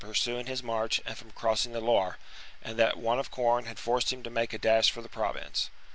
pursuing his march and from crossing the Loire, and that want of corn had forced him to make a dash for the Province.